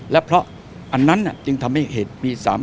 และเพราะอันนั้นจึงทำให้เหตุมี๓๐